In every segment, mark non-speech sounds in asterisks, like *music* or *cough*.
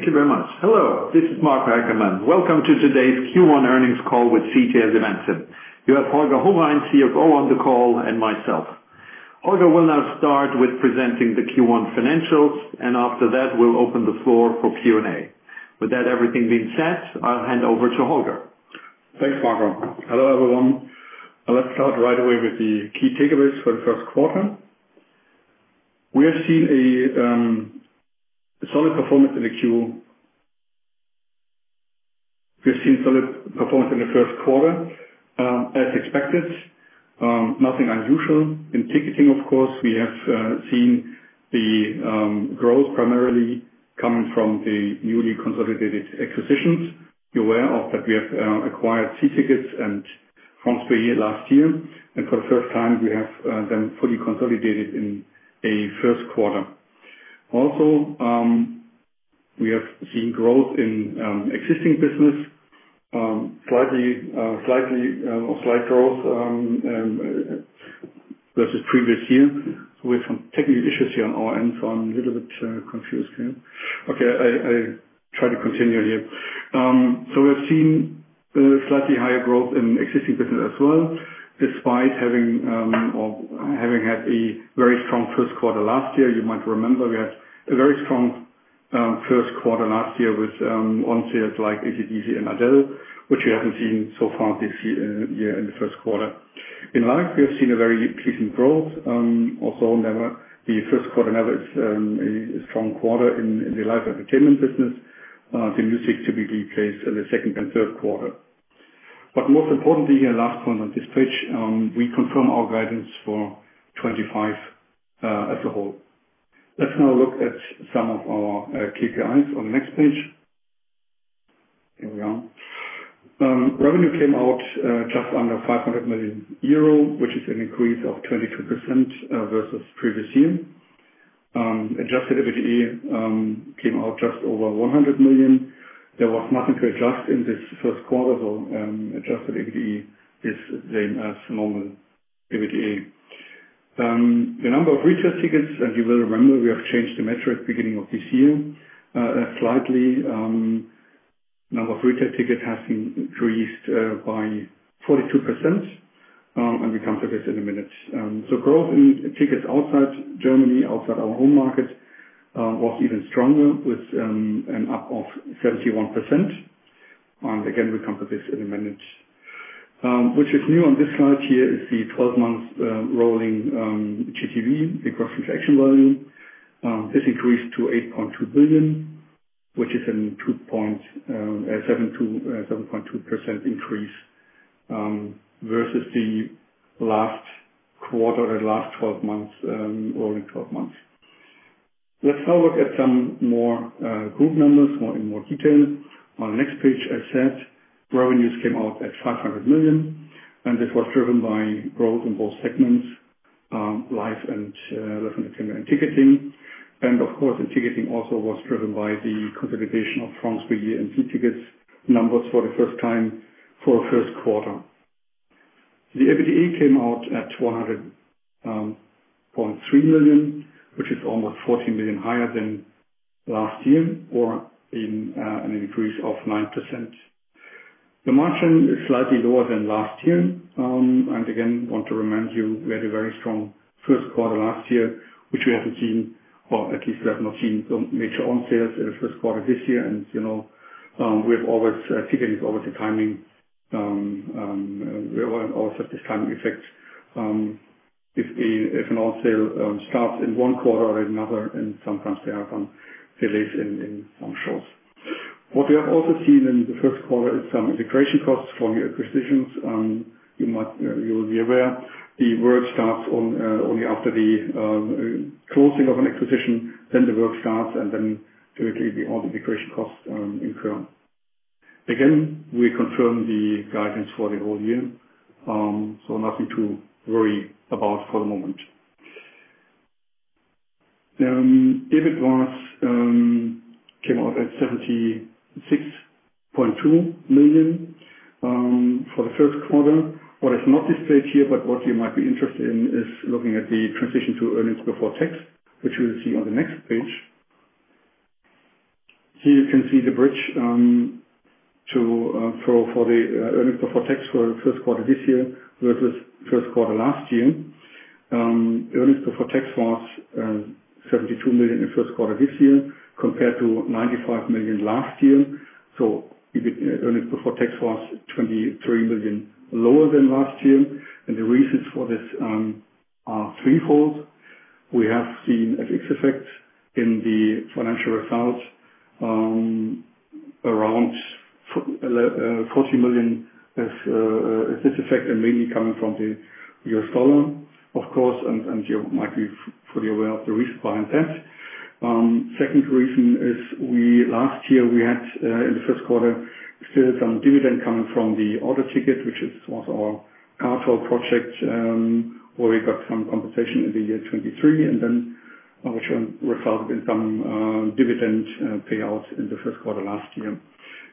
Thank you very much. Hello, this is Marco Haeckermann. Welcome to today's Q1 earnings call with CTS Eventim. You have Holger Hohrein, CFO, on the call, and myself. Holger will now start with presenting the Q1 financials, and after that, we'll open the floor for Q&A. With that, everything being set, I'll hand over to Holger. Thanks, Marco. Hello, everyone. Let's start right away with the key takeaways for the first quarter. We have seen a solid performance in the Q. We have seen solid performance in the first quarter, as expected. Nothing unusual in ticketing, of course. We have seen the growth primarily coming from the newly consolidated acquisitions. You're aware of that we have acquired See Tickets and France Billet last year. And for the first time, we have them fully consolidated in a first quarter. Also, we have seen growth in existing business, slight growth versus previous year. We have some technical issues here on our end, so I'm a little bit confused. Okay, I try to continue here. We have seen slightly higher growth in existing business as well. Despite having had a very strong first quarter last year, you might remember we had a very strong first quarter last year with on sales like ATTC and Adele, which we have not seen so far this year in the first quarter. In live, we have seen a very pleasing growth. Also, the first quarter never is a strong quarter in the live entertainment business. The music typically plays in the second and third quarter. Most importantly, last point on this page, we confirm our guidance for 2025 as a whole. Let's now look at some of our KPIs on the next page. Here we are. Revenue came out just under 500 million euro, which is an increase of 22% versus previous year. Adjusted EBITDA came out just over 100 million. There was nothing to adjust in this first quarter, so adjusted EBITDA is the same as normal EBITDA. The number of retail tickets, and you will remember we have changed the metric beginning of this year slightly. The number of retail tickets has increased by 42%, and we come to this in a minute. Growth in tickets outside Germany, outside our home market, was even stronger with an up of 71%. Again, we come to this in a minute. What is new on this slide here is the 12-month rolling GTV, the gross transaction value. This increased to 8.2 billion, which is a 7.2% increase versus the last quarter or the last 12 months, rolling 12 months. Let's now look at some more group numbers in more detail. On the next page, as said, revenues came out at 500 million, and this was driven by growth in both segments, live and live entertainment and ticketing. Of course, the ticketing also was driven by the consolidation of France Billet and See Tickets numbers for the first time for the first quarter. The EBITDA came out at 100.3 million, which is almost 14 million higher than last year, or an increase of 9%. The margin is slightly lower than last year. Again, I want to remind you we had a very strong first quarter last year, which we have not seen, or at least we have not seen major on sales in the first quarter this year. We have always, ticketing is always a timing. We always have this timing effect. If an on sale starts in one quarter or in another, and sometimes they have some delays in some shows. What we have also seen in the first quarter is some integration costs, stronger acquisitions. You will be aware. The work starts only after the closing of an acquisition. Then the work starts, and then typically all the integration costs incur. Again, we confirm the guidance for the whole year. Nothing to worry about for the moment. EBITDA came out at 76.2 million for the first quarter. What is not displayed here, but what you might be interested in, is looking at the transition to earnings before tax, which you will see on the next page. Here you can see the bridge for the earnings before tax for the first quarter this year versus first quarter last year. Earnings before tax was 72 million in the first quarter this year, compared to 95 million last year. Earnings before tax was 23 million lower than last year. The reasons for this are threefold. We have seen an FX effect in the financial results, around 40 million as this effect, and mainly coming from the US dollar, of course. You might be fully aware of the reason behind that. The second reason is last year we had in the first quarter still some dividend coming from the order ticket, which was our car tour project, where we got some compensation in the year 2023, and then which resulted in some dividend payout in the first quarter last year.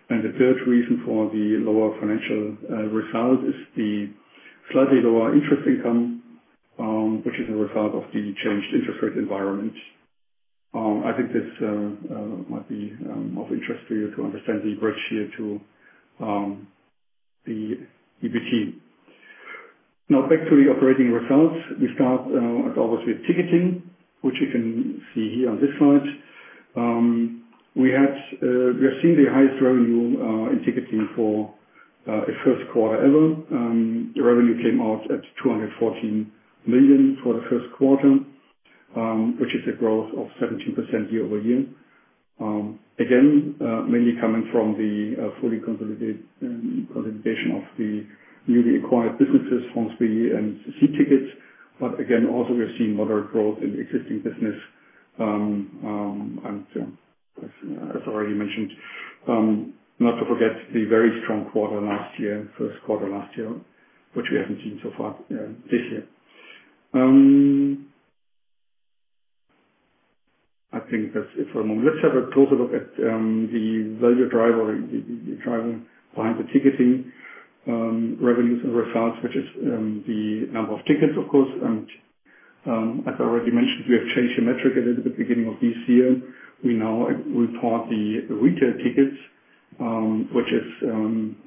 The third reason for the lower financial result is the slightly lower interest income, which is a result of the changed interest rate environment. I think this might be of interest to you to understand the bridge here to the EBIT. Now, back to the operating results. We start, of course, with ticketing, which you can see here on this slide. We have seen the highest revenue in ticketing for a first quarter ever. Revenue came out at 214 million for the first quarter, which is a growth of 17% year over year. Again, mainly coming from the fully consolidation of the newly acquired businesses, France Billet and See Tickets. Again, also we have seen moderate growth in the existing business. As already mentioned, not to forget the very strong quarter last year, first quarter last year, which we have not seen so far this year. I think that is it for the moment. Let's have a closer look at the value drive, or the driving behind the ticketing revenues and results, which is the number of tickets, of course. As I already mentioned, we have changed the metric a little bit beginning of this year. We now report the retail tickets, which is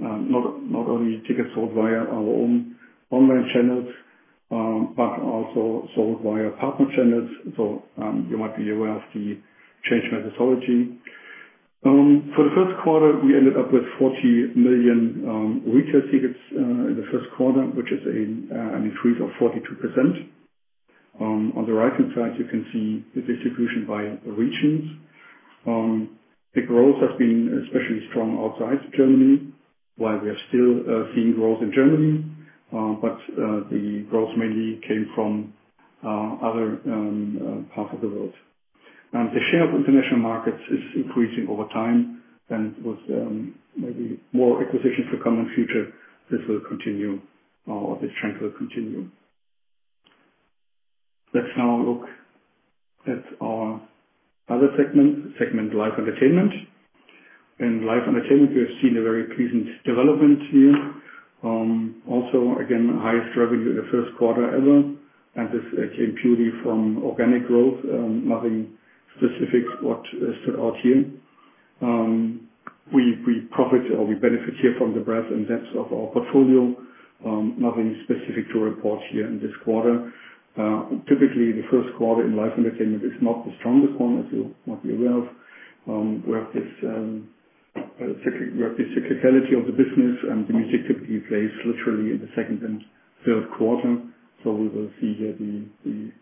not only tickets sold via our own online channels, but also sold via partner channels. You might be aware of the change methodology. For the first quarter, we ended up with 40 million retail tickets in the first quarter, which is an increase of 42%. On the right-hand side, you can see the distribution by regions. The growth has been especially strong outside Germany, while we are still seeing growth in Germany. The growth mainly came from other parts of the world. The share of international markets is increasing over time. With maybe more acquisitions to come in the future, this will continue, or this trend will continue. Let's now look at our other segment, segment live entertainment. In live entertainment, we have seen a very pleasant development here. Also, again, highest revenue in the first quarter ever. This came purely from organic growth. Nothing specific stood out here. We profit or we benefit here from the breadth and depth of our portfolio. Nothing specific to report here in this quarter. Typically, the first quarter in live entertainment is not the strongest one, as you might be aware of. We have this cyclicality of the business, and the music typically plays literally in the second and third quarter. We will see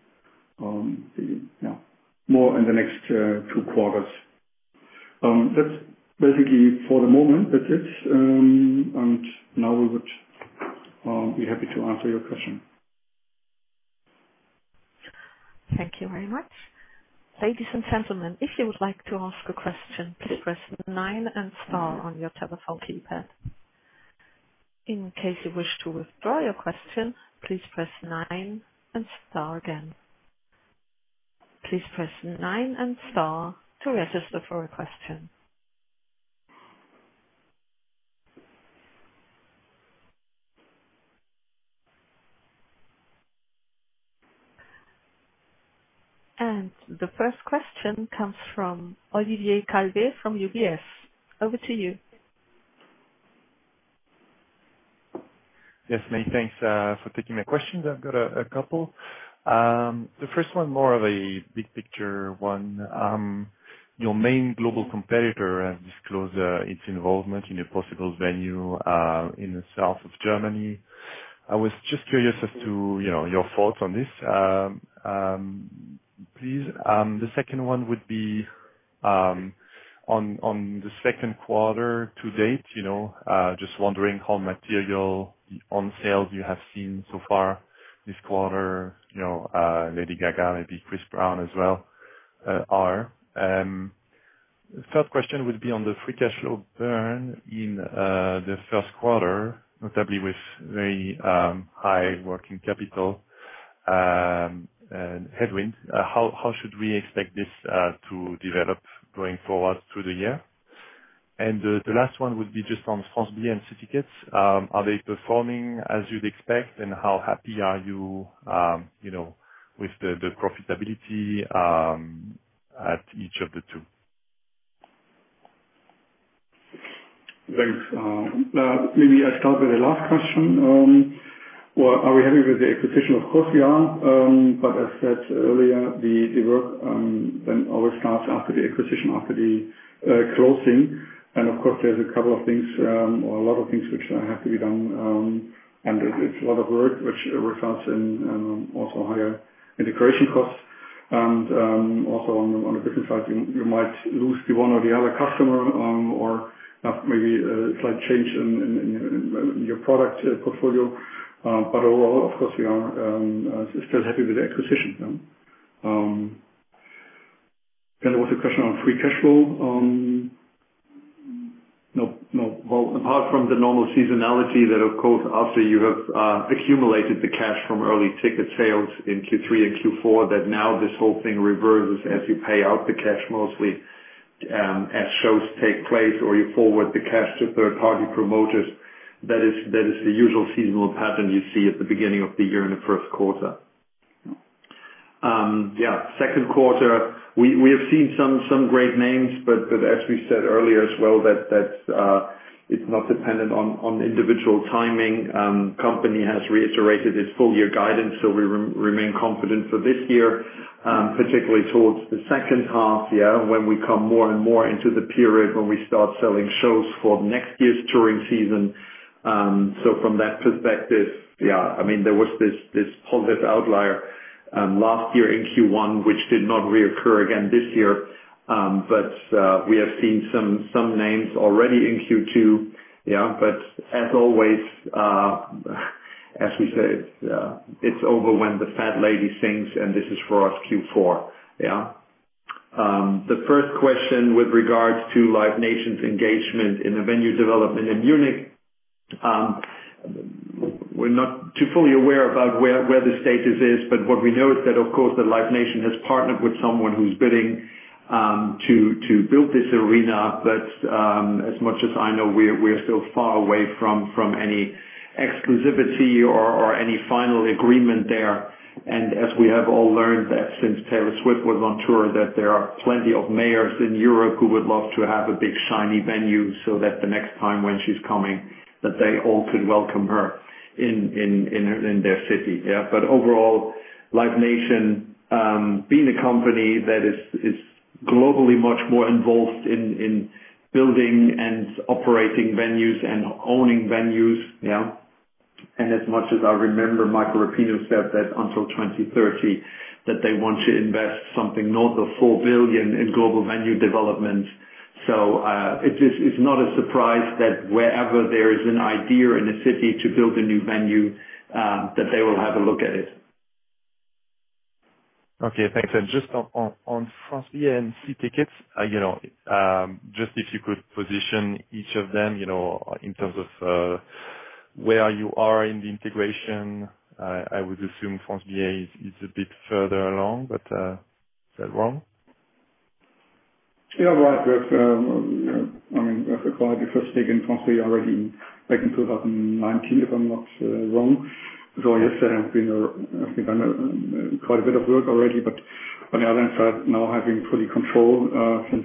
more in the next two quarters. That is basically for the moment. That is it. We would be happy to answer your question. Thank you very much. Ladies and gentlemen, if you would like to ask a question, please press nine and star on your telephone keypad. In case you wish to withdraw your question, please press nine and star again. Please press nine and star to register for a question. The first question comes from Olivier Calve from UBS. Over to you. Yes, many thanks for taking my questions. I've got a couple. The first one, more of a big picture one. Your main global competitor has disclosed its involvement in a possible venue in the south of Germany. I was just curious as to your thoughts on this. Please. The second one would be on the second quarter to date. Just wondering how material on sales you have seen so far this quarter. Lady Gaga, maybe Chris Brown as well are. The third question would be on the free cash flow burn in the first quarter, notably with very high working capital and headwind. How should we expect this to develop going forward through the year? The last one would be just on France Billet and See Tickets. Are they performing as you'd expect, and how happy are you with the profitability at each of the two? Thanks. Maybe I start with the last question. Are we happy with the acquisition? Of course, we are. As said earlier, the work then always starts after the acquisition, after the closing. Of course, there is a couple of things, or a lot of things, which have to be done. It is a lot of work, which results in also higher integration costs. Also on the business side, you might lose one or the other customer, or have maybe a slight change in your product portfolio. Overall, of course, we are still happy with the acquisition. There was a question on free cash flow. No. Apart from the normal seasonality that, of course, after you have accumulated the cash from early ticket sales in Q3 and Q4, now this whole thing reverses as you pay out the cash mostly, as shows take place, or you forward the cash to third-party promoters. That is the usual seasonal pattern you see at the beginning of the year in the first quarter. Yeah. Second quarter, we have seen some great names, but as we said earlier as well, it is not dependent on individual timing. Company has reiterated its full year guidance, so we remain confident for this year, particularly towards the second half, yeah, when we come more and more into the period when we start selling shows for next year's touring season. From that perspective, yeah, I mean, there was this positive outlier last year in Q1, which did not reoccur again this year. We have seen some names already in Q2. Yeah. As always, as we say, it's over when the fat lady sings, and this is for us Q4. The first question with regards to Live Nation's engagement in the venue development in Munich. We're not too fully aware about where the status is, but what we know is that, of course, Live Nation has partnered with someone who's bidding to build this arena. As much as I know, we are still far away from any exclusivity or any final agreement there. As we have all learned since Taylor Swift was on tour, there are plenty of mayors in Europe who would love to have a big shiny venue so that the next time when she is coming, they all could welcome her in their city. Yeah. Overall, Live Nation, being a company that is globally much more involved in building and operating venues and owning venues. Yeah. As much as I remember, Michael Rapino said that until 2030, they want to invest something north of 4 billion in global venue development. It is not a surprise that wherever there is an idea in a city to build a new venue, they will have a look at it. Okay. Thanks. Just on France Billet and See Tickets, just if you could position each of them in terms of where you are in the integration, I would assume France Billet is a bit further along, but is that wrong? Yeah. Right. I mean, quite a bit of digging in France Billet already back in 2019, if I'm not wrong. So yes, I have done quite a bit of work already. On the other hand, now having fully control since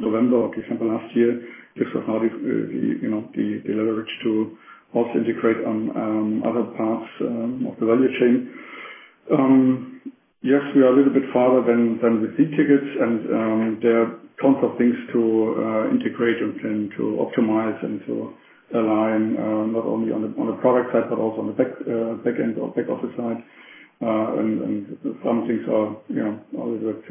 November or December last year, this was not the leverage to also integrate on other parts of the value chain. Yes, we are a little bit farther than with See Tickets, and there are tons of things to integrate and to optimize and to align, not only on the product side, but also on the back end or back office side. Some things are a little bit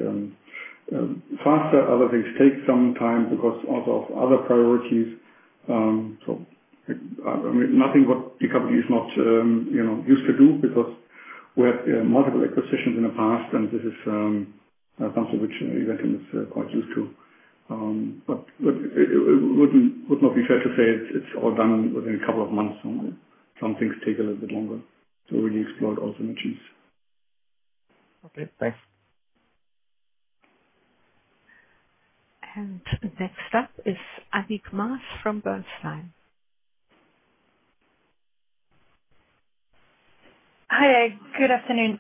faster. Other things take some time because also of other priorities. Nothing what the company is not used to do because we had multiple acquisitions in the past, and this is something which eventually is quite used to. It would not be fair to say it's all done within a couple of months. Some things take a little bit longer to really explore those dimensions. Okay. Thanks. Next up is Annick Maas from Bernstein. Hi. Good afternoon.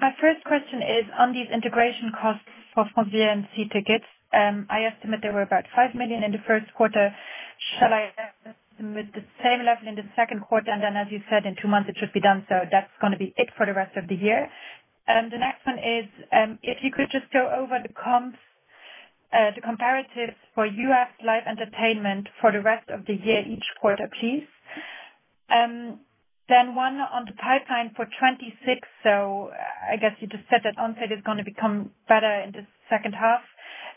My first question is on these integration costs for France Billet and See Tickets. I estimate there were about 5 million in the first quarter. Shall I estimate the same level in the second quarter? As you said, in two months, it should be done. That is going to be it for the rest of the year. The next one is if you could just go over the comparatives for US live entertainment for the rest of the year each quarter, please. One on the pipeline for 2026. I guess you just said that onset is going to become better in the second half.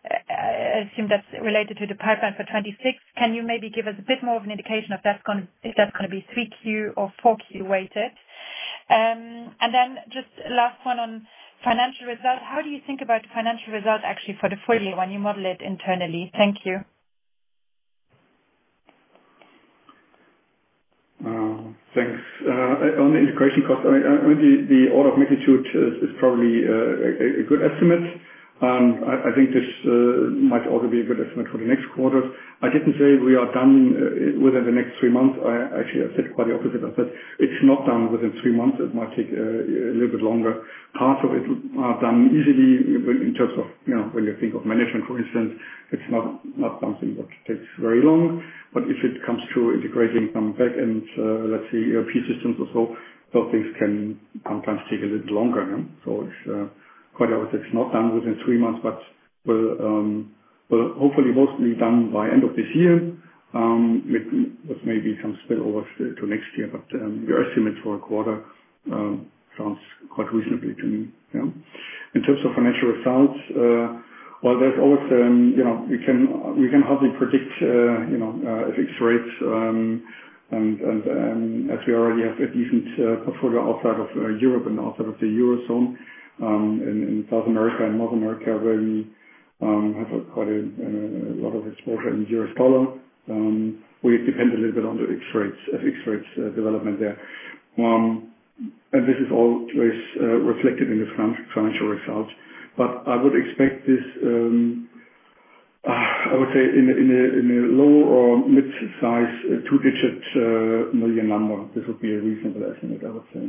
I assume that is related to the pipeline for 2026. Can you maybe give us a bit more of an indication if that is going to be 3Q or 4Q weighted? Just last one on financial results. How do you think about financial results actually for the full year when you model it internally? Thank you. Thanks. On the integration cost, I mean, the order of magnitude is probably a good estimate. I think this might also be a good estimate for the next quarter. I did not say we are done within the next three months. Actually, I said quite the opposite. I said it is not done within three months. It might take a little bit longer. Parts of it are done easily in terms of when you think of management, for instance. It is not something that takes very long. If it comes to integrating some back end, let's say ERP systems or so, those things can sometimes take a little longer. Quite the opposite. It is not done within three months, but will hopefully mostly be done by end of this year, with maybe some spillover to next year. Your estimate for a quarter sounds quite reasonable to me. In terms of financial results, there is always, we can hardly predict FX rates. As we already have a decent portfolio outside of Europe and outside of the eurozone, in South America and North America, where we have quite a lot of exposure in euro dollar, we depend a little bit on the FX rates development there. This is always reflected in the financial results. I would expect this, I would say, in a low or mid-size two-digit million number. This would be a reasonable estimate, I would say.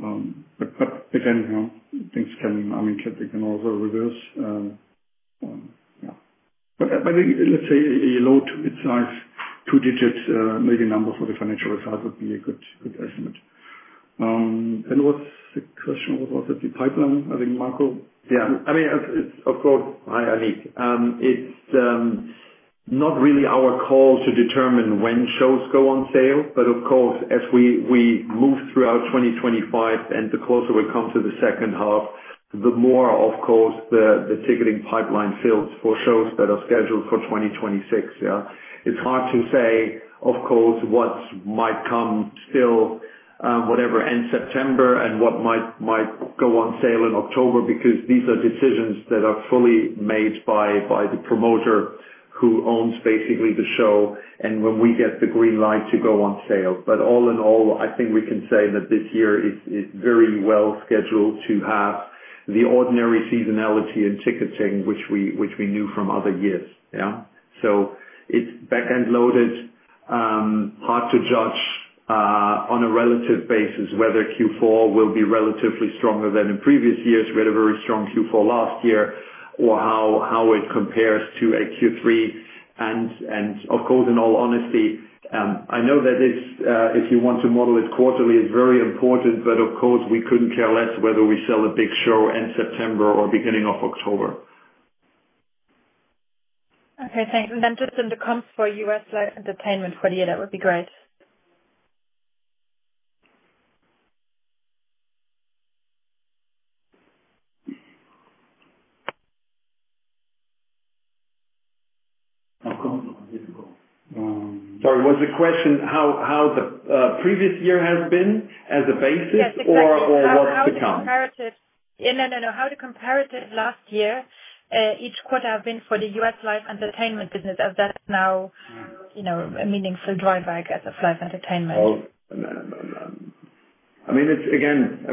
Again, things can, I mean, they can also reverse. Yeah. I think, let's say, a low to mid-size two-digit million number for the financial results would be a good estimate. What was the question? What was the pipeline? I think, Marco. Yeah. I mean, of course, hi, Annick. It's not really our call to determine when shows go on sale. But of course, as we move throughout 2025 and the closer we come to the second half, the more, of course, the ticketing pipeline fills for shows that are scheduled for 2026. Yeah. It's hard to say, of course, what might come still, whatever, end September and what might go on sale in October because these are decisions that are fully made by the promoter who owns basically the show and when we get the green light to go on sale. But all in all, I think we can say that this year is very well scheduled to have the ordinary seasonality and ticketing, which we knew from other years. Yeah. It's back end loaded. Hard to judge on a relative basis whether Q4 will be relatively stronger than in previous years. We had a very strong Q4 last year or how it compares to a Q3. In all honesty, I know that if you want to model it quarterly, it's very important, but of course, we couldn't care less whether we sell a big show end September or beginning of October. Okay. Thanks. In the comps for US live entertainment for the year, that would be great. Sorry. Was the question how the previous year has been as a basis *crosstalk* or what's become? Yeah. No, no, no. How to compare it to last year, each quarter has been for the US live entertainment business as that's now a meaningful drive, I guess, of live entertainment. I mean, again,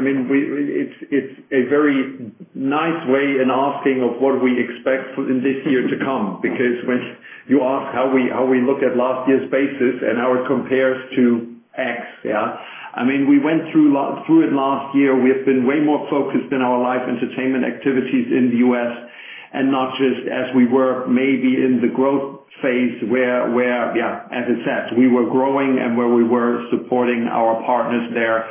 it's a very nice way in asking of what we expect in this year to come because when you ask how we look at last year's basis and how it compares to X, yeah, I mean, we went through it last year. We have been way more focused in our live entertainment activities in the US and not just as we were maybe in the growth phase where, yeah, as it said, we were growing and where we were supporting our partners there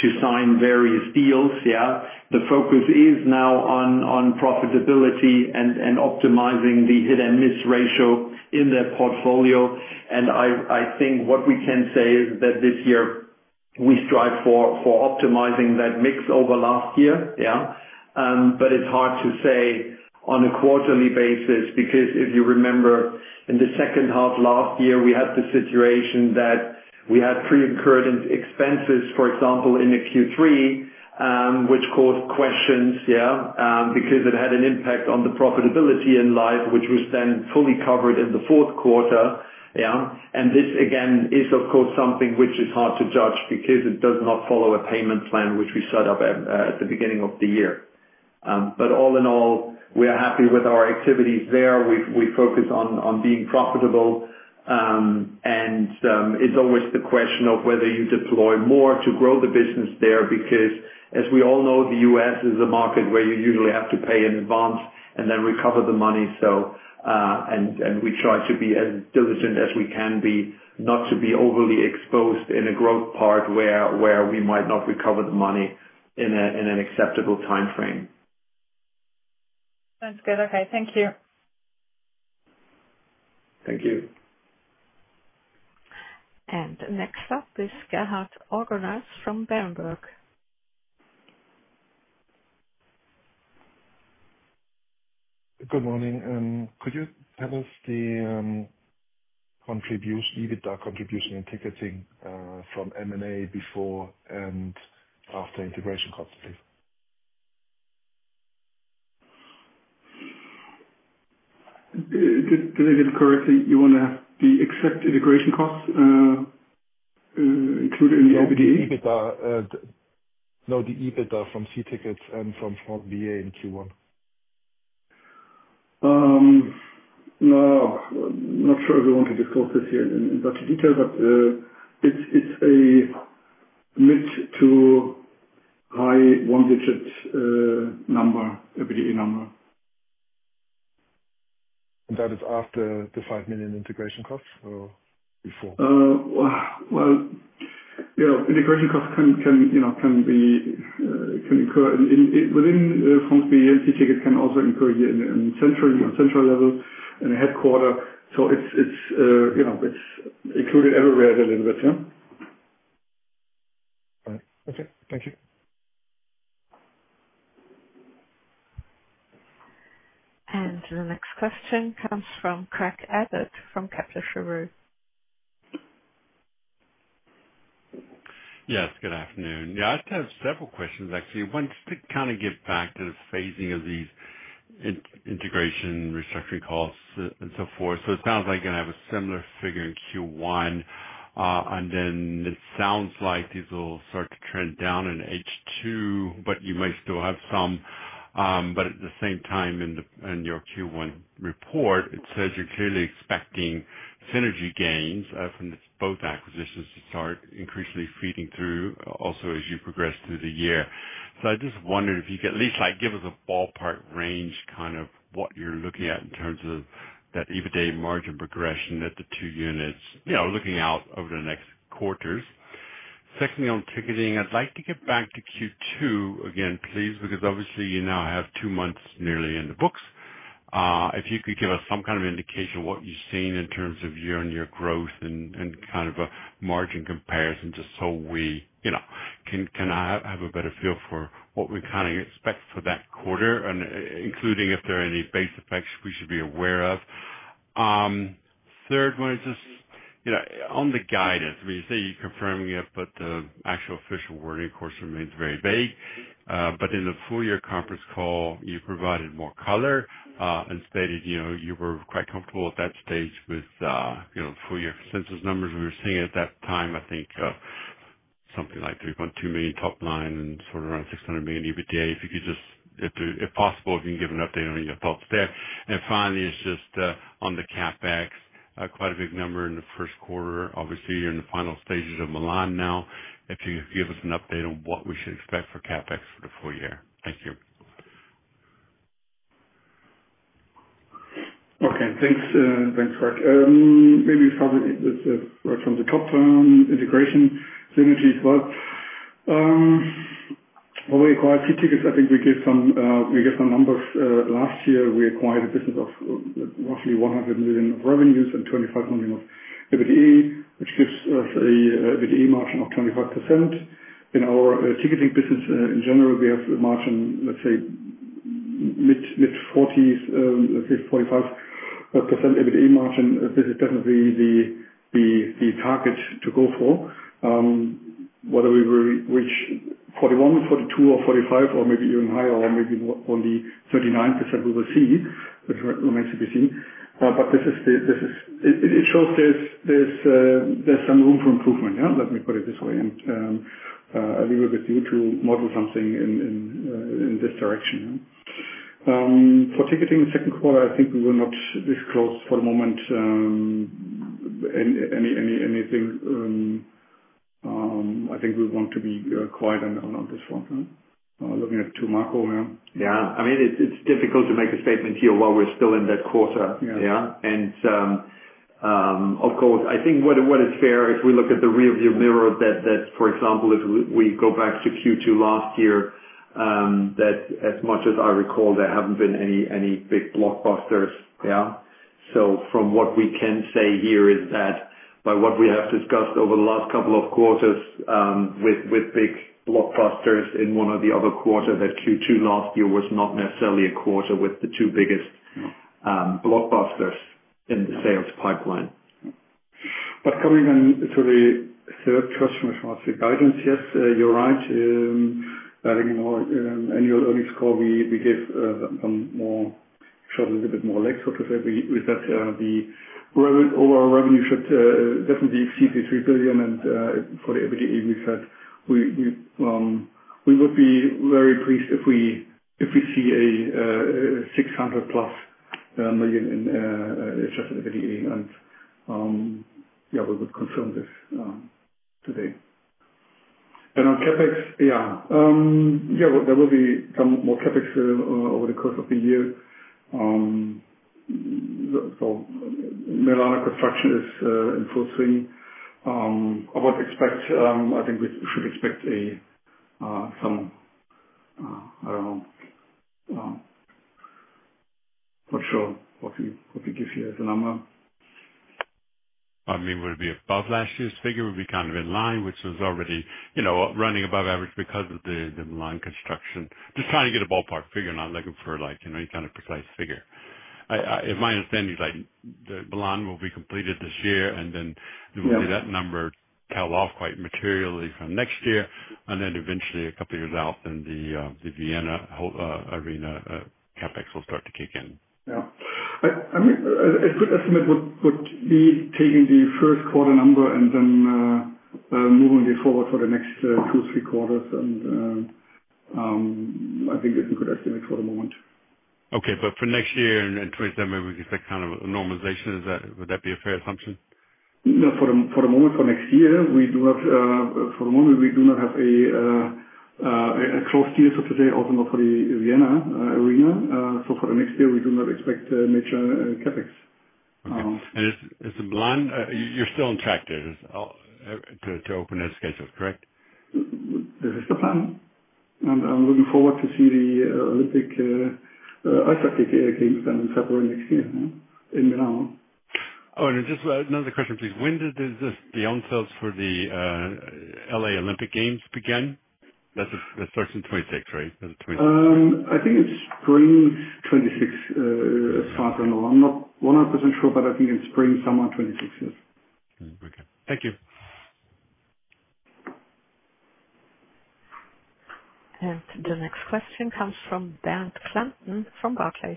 to sign various deals. Yeah. The focus is now on profitability and optimizing the hit and miss ratio in their portfolio. I think what we can say is that this year we strive for optimizing that mix over last year. Yeah. It's hard to say on a quarterly basis because if you remember, in the second half last year, we had the situation that we had pre-incurred expenses, for example, in Q3, which caused questions, yeah, because it had an impact on the profitability in live, which was then fully covered in the fourth quarter. Yeah. This, again, is, of course, something which is hard to judge because it does not follow a payment plan which we set up at the beginning of the year. All in all, we are happy with our activities there. We focus on being profitable. It's always the question of whether you deploy more to grow the business there because, as we all know, the US is a market where you usually have to pay in advance and then recover the money. We try to be as diligent as we can be not to be overly exposed in a growth part where we might not recover the money in an acceptable time frame. Sounds good. Okay. Thank you. Thank you. Next up is Gerhard Ogrner from Bernburg. Good morning. Could you tell us the contribution, EBITDA contribution and ticketing from M&A before and after integration costs, please? To make it correctly, you want to accept integration costs included in the EBITDA? No, the EBITDA from See Tickets and from France Billet in Q1. No. I'm not sure if we want to discuss this here in such detail, but it's a mid to high one-digit number, EBITDA number. Is that after the 5 million integration costs or before? Yeah, integration costs can incur within France Billet and See Tickets, can also incur here in central level and at headquarter. So it's included everywhere a little bit. Yeah. Right. Okay. Thank you. The next question comes from Craig Abbott from Kepler Cheuvreux. Yes. Good afternoon. Yeah. I have several questions, actually. One's to kind of get back to the phasing of these integration restructuring costs and so forth. It sounds like you're going to have a similar figure in Q1. It sounds like these will start to trend down in H2, but you may still have some. At the same time, in your Q1 report, it says you're clearly expecting synergy gains from both acquisitions to start increasingly feeding through also as you progress through the year. I just wondered if you could at least give us a ballpark range kind of what you're looking at in terms of that EBITDA margin progression at the two units looking out over the next quarters. Secondly, on ticketing, I'd like to get back to Q2 again, please, because obviously you now have two months nearly in the books. If you could give us some kind of indication of what you've seen in terms of year-on-year growth and kind of a margin comparison just so we can have a better feel for what we kind of expect for that quarter, including if there are any base effects we should be aware of. The third one is just on the guidance. I mean, you say you're confirming it, but the actual official wording, of course, remains very vague. In the full year conference call, you provided more color and stated you were quite comfortable at that stage with full year consensus numbers. We were seeing at that time, I think, something like 3.2 billion top line and sort of around 600 million EBITDA. If you could just, if possible, if you can give an update on your thoughts there. Finally, it's just on the CapEx, quite a big number in the first quarter. Obviously, you're in the final stages of Milan now. If you could give us an update on what we should expect for CapEx for the full year. Thank you. Okay. Thanks, Craig. Maybe starting with the right from the top integration synergy as well. We acquired See Tickets. I think we gave some numbers. Last year, we acquired a business of roughly 100 million of revenues and 25 million of EBITDA, which gives us an EBITDA margin of 25%. In our ticketing business in general, we have a margin, let's say, mid-40s, let's say 45% EBITDA margin. This is definitely the target to go for. Whether we reach 41%, 42%, or 45%, or maybe even higher, or maybe only 39%, we will see. It remains to be seen. This shows there is some room for improvement. Yeah. Let me put it this way and leave it with you to model something in this direction. For ticketing in the second quarter, I think we will not disclose for the moment anything. I think we want to be quiet on this front. Looking at it too, Marco. Yeah. I mean, it's difficult to make a statement here while we're still in that quarter. Yeah. I think what is fair if we look at the rearview mirror that, for example, if we go back to Q2 last year, that as much as I recall, there haven't been any big blockbusters. Yeah. From what we can say here is that by what we have discussed over the last couple of quarters with big blockbusters in one or the other quarter, that Q2 last year was not necessarily a quarter with the two biggest blockbusters in the sales pipeline. Coming on to the third question as far as the guidance, yes, you're right. I think in our annual earnings call, we gave some more shots, a little bit more legs, so to say, we said the overall revenue should definitely exceed EUR 3 billion. For the EBITDA, we said we would be very pleased if we see a 600 million in adjusted EBITDA. Yeah, we would confirm this today. On CapEx, yeah. There will be some more CapEx over the course of the year. So Milan construction is in full swing. I would expect, I think we should expect a some, I don't know. Not sure what we give here as a number. I mean, would it be above last year's figure? Would it be kind of in line, which was already running above average because of the Milan construction? Just trying to get a ballpark figure. I'm not looking for any kind of precise figure. In my understanding, Milan will be completed this year, and then that number tails off quite materially from next year. And then eventually, a couple of years out, then the Vienna Arena CapEx will start to kick in. Yeah. I mean, a good estimate would be taking the first quarter number and then moving it forward for the next two, three quarters. I think it's a good estimate for the moment. Okay. For next year and 2020, maybe we could get kind of a normalization. Would that be a fair assumption? No. For the moment, for next year, we do not have a cross deal, so to say, also not for the Vienna Arena. For the next year, we do not expect major CapEx. Is Milan, you're still on track there to open there as scheduled, correct? This is the plan. I'm looking forward to see the Olympic Ice Hockey Games done in February next year in Milan. Oh, and just another question, please. When does the onsales for the LA Olympic Games begin? That starts in 2026, right? Does it? I think it's spring 2026 as far as I know. I'm not 100% sure, but I think in spring, summer 2026, yes. Okay. Thank you. The next question comes from Bernd Klanten from Barclays.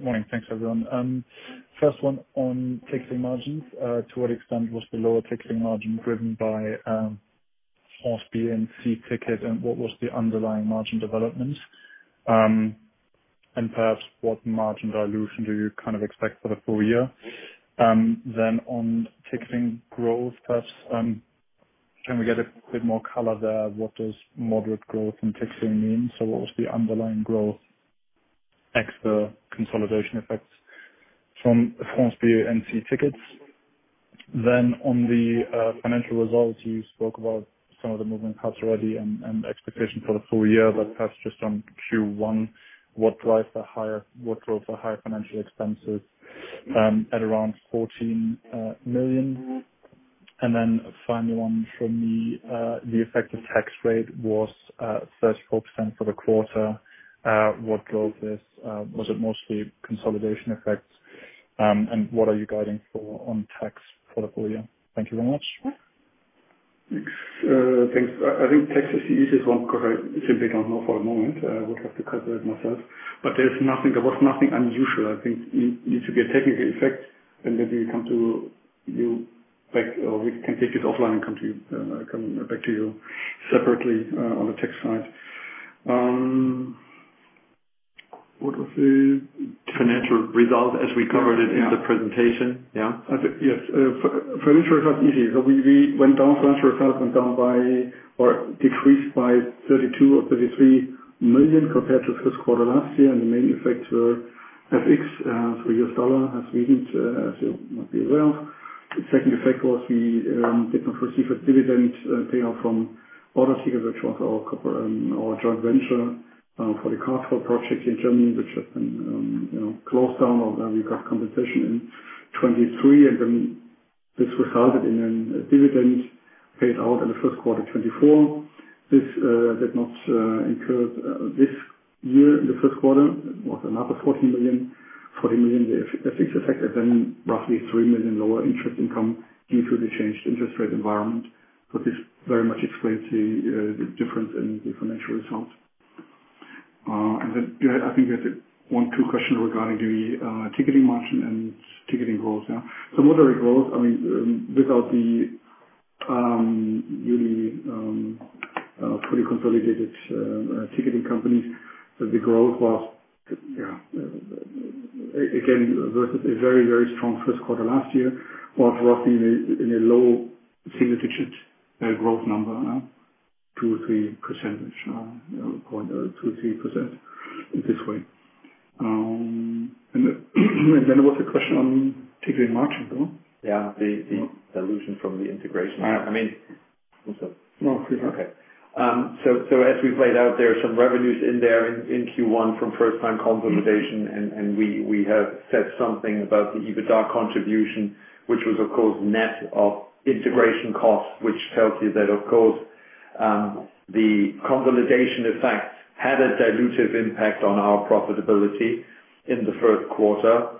Morning. Thanks, everyone. First one on ticketing margins. To what extent was the lower ticketing margin driven by France Billet and See Tickets, and what was the underlying margin development? Perhaps what margin dilution do you kind of expect for the full year? On ticketing growth, perhaps can we get a bit more color there? What does moderate growth in ticketing mean? What was the underlying growth excluding the consolidation effects from France Billet and See Tickets? On the financial results, you spoke about some of the moving parts already and expectations for the full year. Perhaps just on Q1, what drove the higher financial expenses at around 14 million? Final one from me, the effective tax rate was 34% for the quarter. What drove this? Was it mostly consolidation effects? What are you guiding for on tax for the full year? Thank you very much. Thanks. I think tax is the easiest one because I simply don't know for the moment. I would have to calculate myself. There was nothing unusual. I think it needs to be a technical effect. We can come back to you, or we can take it offline and come back to you separately on the tax side. What was the Financial result as we covered it in the presentation? Yeah. Yes. Financial result is easy. We went down. Financial result went down by or decreased by 32 million or 33 million compared to first quarter last year. The main effects were FX, so US dollar, as Sweden might be aware of. The second effect was we did not receive a dividend payout from Border Tickets, which was our joint venture for the CarToll project in Germany, which has been closed down. We got compensation in 2023. This resulted in a dividend paid out in the first quarter 2024. This did not incur this year in the first quarter. It was another 14 million, 40 million the FX effect, and then roughly 3 million lower interest income due to the changed interest rate environment. This very much explains the difference in the financial results. I think we had one or two questions regarding the ticketing margin and ticketing growth. Moderate growth, I mean, without the really fully consolidated ticketing companies, the growth was, yeah, again, versus a very, very strong first quarter last year was roughly in a low single-digit growth number, right? 2 or 3 percentage points, 2 or 3% in this way. There was a question on ticketing margin, no? Yeah. The dilution from the integration. I mean. No. Okay. As we have laid out, there are some revenues in there in Q1 from first-time consolidation. We have said something about the EBITDA contribution, which was, of course, net of integration costs, which tells you that, of course, the consolidation effects had a dilutive impact on our profitability in the first quarter.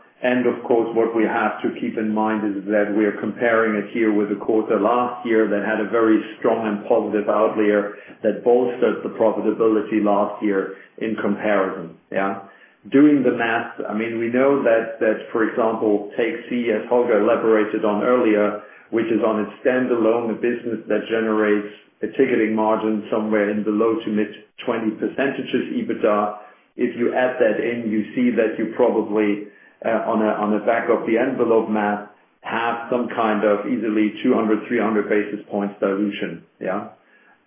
What we have to keep in mind is that we are comparing it here with a quarter last year that had a very strong and positive outlier that bolstered the profitability last year in comparison. Yeah. Doing the math, I mean, we know that, for example, take See, as Holger elaborated on earlier, which is on its standalone business that generates a ticketing margin somewhere in the low to mid-20% EBITDA. If you add that in, you see that you probably, on the back of the envelope math, have some kind of easily 200-300 basis points dilution. Yeah.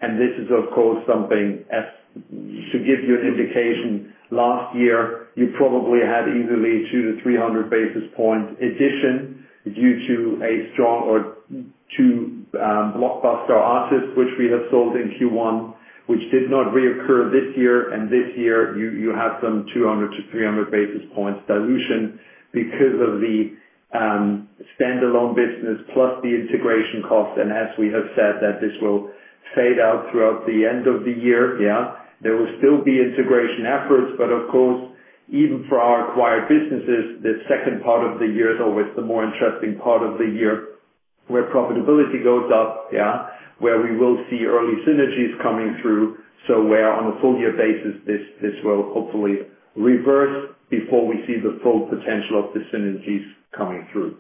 This is, of course, something to give you an indication. Last year, you probably had easily 200-300 basis points addition due to a strong or two blockbuster artists, which we have sold in Q1, which did not reoccur this year. This year, you have some 200-300 basis points dilution because of the standalone business plus the integration costs. As we have said, this will fade out throughout the end of the year. Yeah. There will still be integration efforts. Of course, even for our acquired businesses, the second part of the year is always the more interesting part of the year where profitability goes up, yeah, where we will see early synergies coming through. Where on a full year basis, this will hopefully reverse before we see the full potential of the synergies coming through.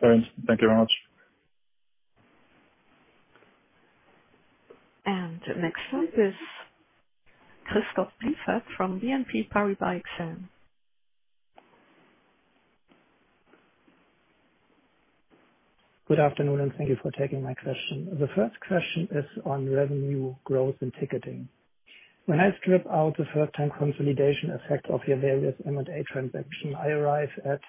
Thanks. Thank you very much. Next slide is Christoph Pfeiffer from BNP Paribas Excellence. Good afternoon, and thank you for taking my question. The first question is on revenue growth in ticketing. When I strip out the first-time consolidation effects of your various M&A transactions, I arrive at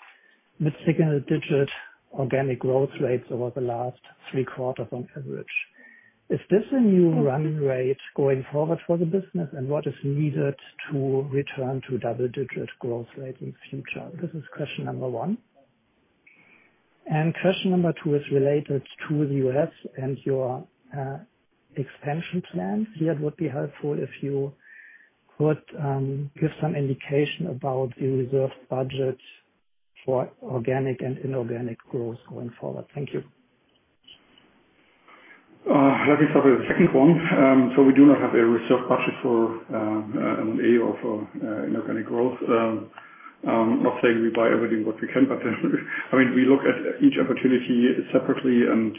mid-single digit organic growth rates over the last three quarters on average. Is this a new run rate going forward for the business, and what is needed to return to double-digit growth rates in the future? This is question number one. Question number two is related to the US and your expansion plans. Here, it would be helpful if you could give some indication about the reserve budget for organic and inorganic growth going forward. Thank you. Let me start with the second one. We do not have a reserve budget for M&A or for inorganic growth. Not saying we buy everything that we can, but I mean, we look at each opportunity separately and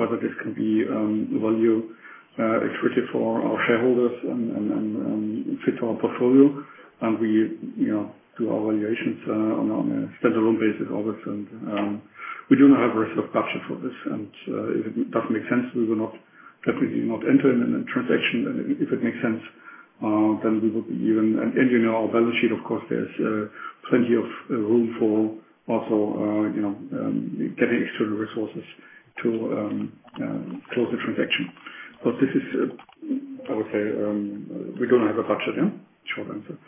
whether this can be value-attributable for our shareholders and fit to our portfolio. We do our valuations on a standalone basis always. We do not have a reserve budget for this. If it does not make sense, we will definitely not enter in a transaction. If it makes sense, then we would be even, and you know our balance sheet, of course, there is plenty of room for also getting external resources to close the transaction. This is, I would say, we do not have a budget. Yeah. Short answer.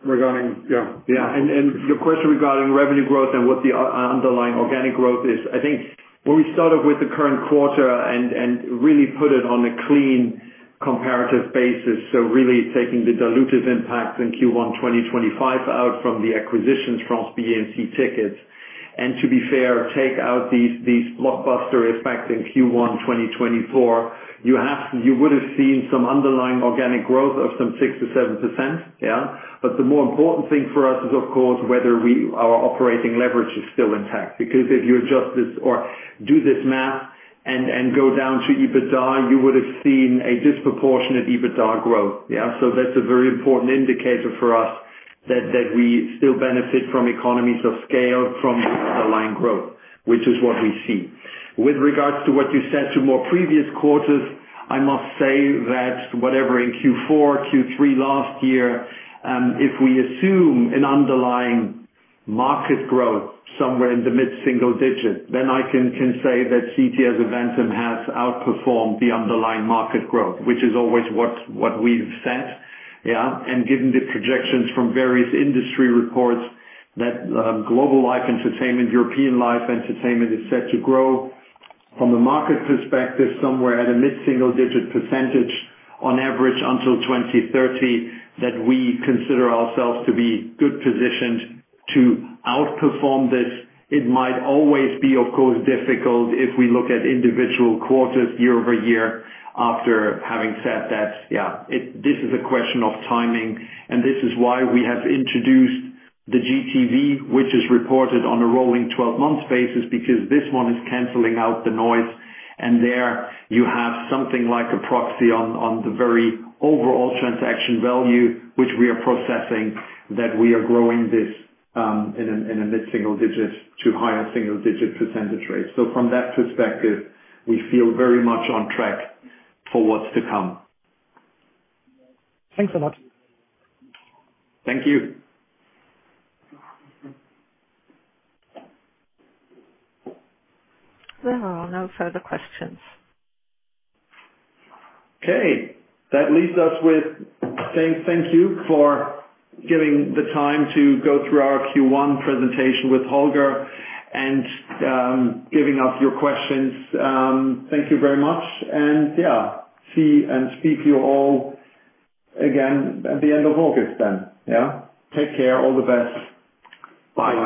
Regarding, yeah. Yeah. Your question regarding revenue growth and what the underlying organic growth is, I think when we started with the current quarter and really put it on a clean comparative basis, so really taking the dilutive impact in Q1 2025 out from the acquisitions, France Billet and See Tickets, and to be fair, take out these blockbuster effects in Q1 2024, you would have seen some underlying organic growth of some 6-7%. Yeah. The more important thing for us is, of course, whether our operating leverage is still intact. Because if you adjust this or do this math and go down to EBITDA, you would have seen a disproportionate EBITDA growth. Yeah. That is a very important indicator for us that we still benefit from economies of scale from the underlying growth, which is what we see. With regards to what you said to more previous quarters, I must say that whatever in Q4, Q3 last year, if we assume an underlying market growth somewhere in the mid-single digit, then I can say that CTS Eventim has outperformed the underlying market growth, which is always what we've said. Yeah. Given the projections from various industry reports that global live entertainment, European live entertainment is set to grow from a market perspective somewhere at a mid-single digit % on average until 2030, that we consider ourselves to be good positioned to outperform this. It might always be, of course, difficult if we look at individual quarters year over year after having said that. Yeah. This is a question of timing. This is why we have introduced the GTV, which is reported on a rolling 12-month basis, because this one is canceling out the noise. There you have something like a proxy on the very overall transaction value, which we are processing, that we are growing this in a mid-single-digit to higher single-digit % rate. From that perspective, we feel very much on track for what's to come. Thanks a lot. Thank you. There are no further questions. Okay. That leaves us with saying thank you for giving the time to go through our Q1 presentation with Holger and giving us your questions. Thank you very much. Yeah, see and speak to you all again at the end of August then. Yeah. Take care. All the best. Bye.